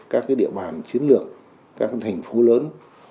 các địa bàn chiến lược các thành phố lớn